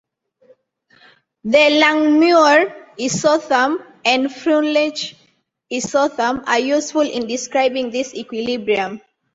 The Langmuir isotherm and Freundlich isotherm are useful in describing this equilibrium.